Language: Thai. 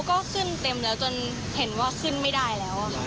ก็ขึ้นเต็มแล้วจนเห็นว่าขึ้นไม่ได้แล้วค่ะ